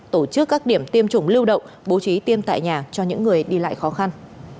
tổ chức các điểm tiêm chủng lưu động bố trí tiêm tại nhà cho những người đi lại khó khăn